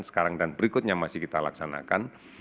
sekarang dan berikutnya masih kita laksanakan